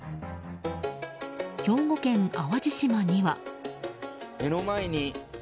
兵庫県淡路島には。